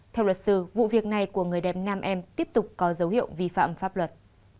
theo luật sư vụ việc này của người đẹp nam em tiếp tục có dấu hiệu vi phạm pháp luật